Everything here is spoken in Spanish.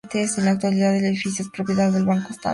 En la actualidad, el edificio es propiedad del Banco Santander.